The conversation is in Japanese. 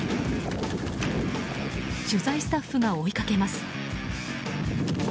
取材スタッフが追いかけます。